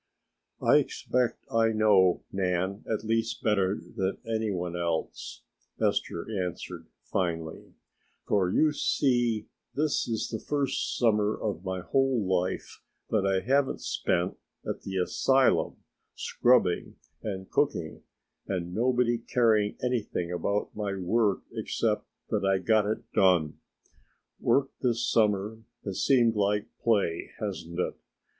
"I expect I know, Nan, at least better than any one else," Esther answered finally, "for you see this is the first summer of my whole life that I haven't spent at the asylum scrubbing and cooking and nobody caring anything about my work except that I got it done. Work this summer has seemed like play, hasn't it?